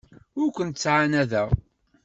Ur kent-ttɛanadeɣ.